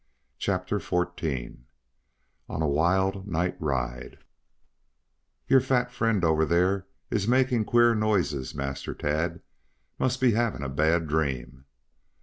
CHAPTER XIV ON A WILD NIGHT RIDE "Your fat friend, over there, is making queer noises, Master Tad. Must be having a bad dream."